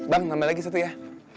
bang nambah lagi satu ya